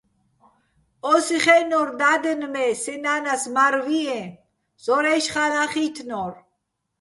ო́სი ხეჸნო́რ და́დენ, მე́ სე ნა́ნას მარ ვიეჼ, ზორაჲში̆ ხალაჼ ხი́თნორ.